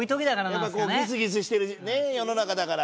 やっぱこうギスギスしてるね世の中だから。